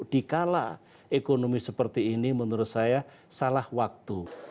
dikala ekonomi seperti ini menurut saya salah waktu